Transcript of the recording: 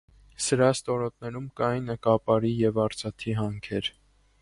Սրա ստորոտներում կային կապարի և արծաթի հանքեր։